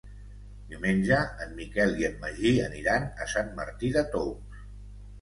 Diumenge en Miquel i en Magí aniran a Sant Martí de Tous.